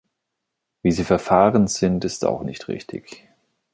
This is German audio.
Wie Sie verfahren sind, ist auch nicht richtig.